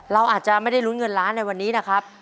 เราอาจจะไม่ได้ลุ้นเงินล้านในวันนี้นะครับ